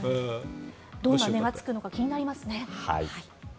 どんな値がつくのか気になりますね。